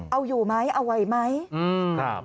เอาอยู่ไหมเอาไหวไหม